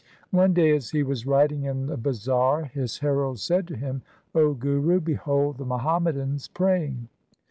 One day as he was riding in the bazar his herald said to him, 'O guru, behold the Muhammadans praying.'